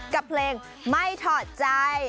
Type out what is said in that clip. กับเพลงไม่ถอดใจ